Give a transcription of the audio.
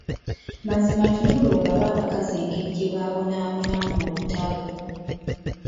Mazima tunula olabe abakazi engeri gye baabonaabonamu mu lutalo.